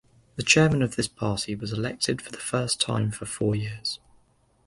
The chairman of this party was elected for the first time for four years.